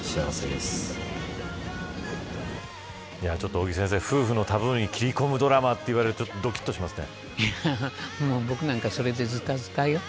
尾木先生、夫婦のタブーに切り込むドラマと言われるとどきっとしますね。